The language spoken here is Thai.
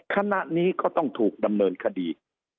คณะนี้ก็ต้องถูกดำเนินคดี